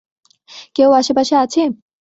কেউ আশেপাশে আছে?